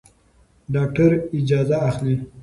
ډاکټر اجازه اخلي.